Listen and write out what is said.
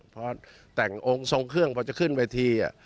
พอแต่งองค์ทรงเครื่องพอจะขึ้นเวที